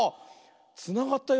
つながったよ